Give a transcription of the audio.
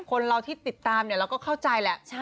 คนที่ติดตามเราก็เข้าใจมันยั่งมีมี